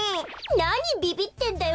なにビビってんだよ